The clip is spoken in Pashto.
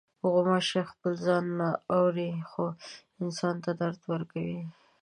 غوماشه خپل ځان نه اوري، خو انسان ته درد ورکوي.